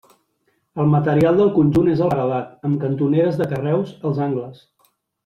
El material del conjunt és el paredat, amb cantoneres de carreus als angles.